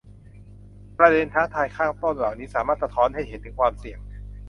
ประเด็นท้าทายข้างต้นเหล่านี้สามารถสะท้อนให้เห็นถึงความเสี่ยง